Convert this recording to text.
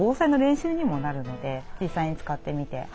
実際に使ってみて。